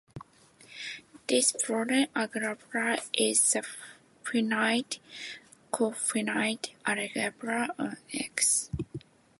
This Boolean algebra is the finite-cofinite algebra on "X".